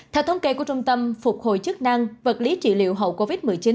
theo thống kê của trung tâm phục hồi chức năng vật lý trị liệu hậu covid một mươi chín